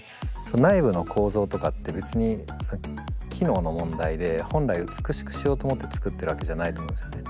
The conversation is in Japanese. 内部の構造とかって別に機能の問題で本来美しくしようと思って作ってるわけじゃないと思うんですよね。